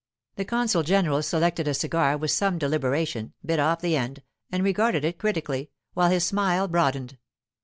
The consul general selected a cigar with some deliberation, bit off the end, and regarded it critically, while his smile broadened.